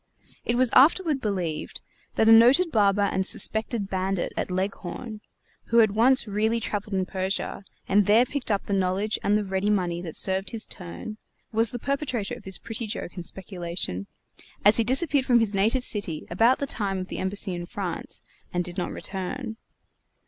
It was afterward believed that a noted barber and suspected bandit at Leghorn, who had once really traveled in Persia, and there picked up the knowledge and the ready money that served his turn, was the perpetrator of this pretty joke and speculation, as he disappeared from his native city about the time of the embassy in France, and did not return.